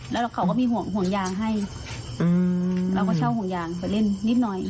แล้วเขาก็มีห่วงห่วงยางให้เราก็เช่าห่วงยางไปเล่นนิดหน่อย